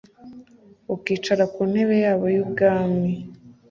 ukicara ku ntebe yabo y'ubwami